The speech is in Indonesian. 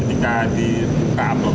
ketika di buka amplop